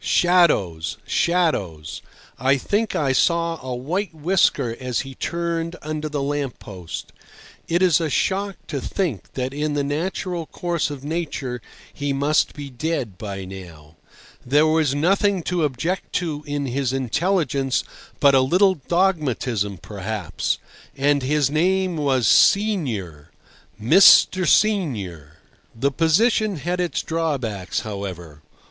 Shadows! Shadows! I think I saw a white whisker as he turned under the lamp post. It is a shock to think that in the natural course of nature he must be dead by now. There was nothing to object to in his intelligence but a little dogmatism maybe. And his name was Senior! Mr. Senior! The position had its drawbacks, however.